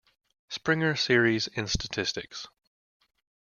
Springer Series in Statistics.